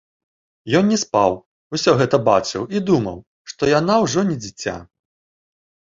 Ён не спаў, усё гэта бачыў і думаў, што яна ўжо не дзіця.